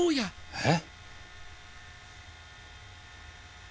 えっ！？